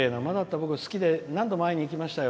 僕、好きで何度も会いに行きましたよ。